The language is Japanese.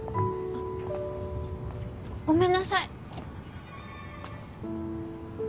あごめんなさい。